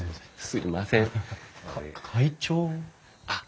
すいません。